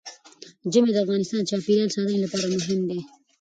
ژمی د افغانستان د چاپیریال ساتنې لپاره مهم دي.